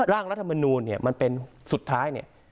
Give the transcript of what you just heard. ร่างรัฐมนูลเนี่ยมันเป็นสุดท้ายเนี่ย